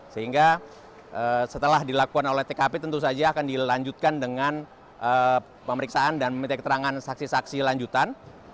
sehingga setelah dilakukan oleh tkp tentu saja akan dilanjutkan dengan pemeriksaan dan meminta keterangan saksi saksi lanjutan